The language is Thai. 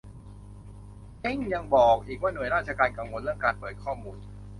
เท้งยังบอกอีกว่าหน่วยราชการกังวลเรื่องการเปิดข้อมูล